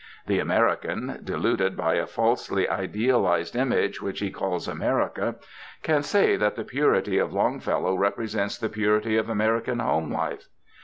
The American, deluded by a falsely idealized image which he calls America, can say that the purity of Longfellow represents the purity of American home life.